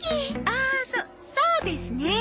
ああそそうですね。